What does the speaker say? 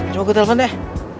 cuma aku telepon deh